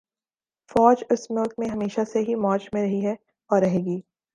فوج اس ملک میں ہمیشہ سے ہی موج میں رہی ہے اور رہے گی